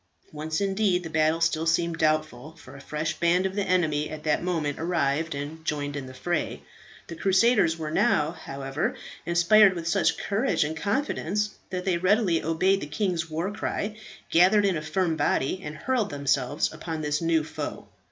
Once, indeed, the battle still seemed doubtful, for a fresh band of the enemy at that moment arrived and joined in the fray. The crusaders were now, however, inspired with such courage and confidence that they readily obeyed the king's war cry, gathered in a firm body, and hurled themselves upon this new foe.